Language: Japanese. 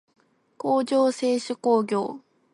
工場制手工業